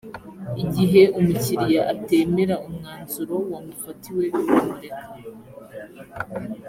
igihe umukiriya atemera umwanzuro wamufatiwe uramureka